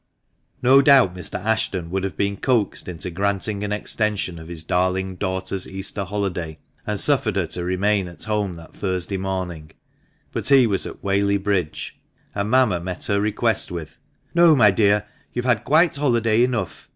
No doubt Mr. Ashton would have been coaxed into granting an extension of his darling daughter's Easter holiday, and suffered her to remain at home that Thursday morning, but he was at Whaley Bridge ; and mamma met her request with :—" No, my dear, you have had quite holiday enough.